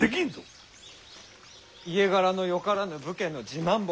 家柄のよからぬ武家の次男坊